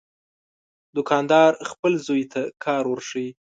دوکاندار خپل زوی ته کار ورښيي.